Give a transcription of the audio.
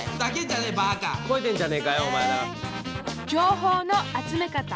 情報の集め方。